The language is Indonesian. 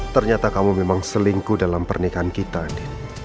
ternyata kamu memang selingkuh dalam pernikahan kita di